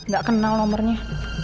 gak kenal nomernya